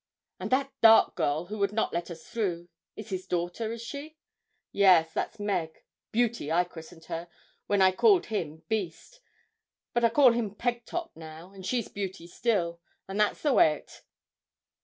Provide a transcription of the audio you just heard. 'And that dark girl who would not let us through, is his daughter, is she?' 'Yes, that's Meg Beauty, I christened her, when I called him Beast; but I call him Pegtop now, and she's Beauty still, and that's the way o't.'